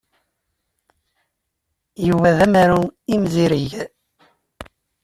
Yuba d amaru imzireg.